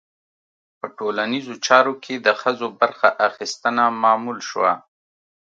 په ټولنیزو چارو کې د ښځو برخه اخیستنه معمول شوه.